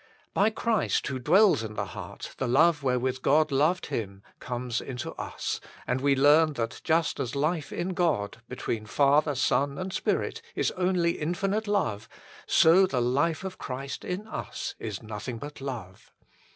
By Christ who dwells in the heart the love wherewith God loved Him comes into us ; and we learn that just as life in God, between Father, Son, and Spirit, is only infinite love, so the life of Christ in us is nothing but love.